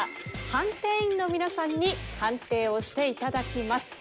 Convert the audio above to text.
判定員の皆さんに判定をして頂きます。